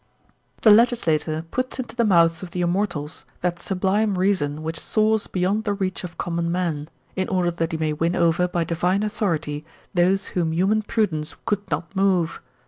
The legislator puts into the mouths of the immortals that sublime reason which soars beyond the reach of common men, in order that he may win over by divine THE PEOPLE 37 authority those whom human prudence could not move.